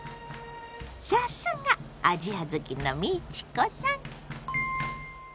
さすがアジア好きの美智子さん！